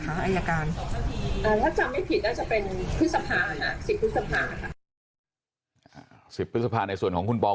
เพราะว่าในกระบวนพินาศเป็นเรื่องกระบวนพินาศของเครื่อง